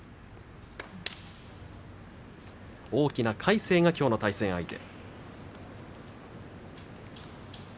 大きな魁聖がきょうの対戦相手です。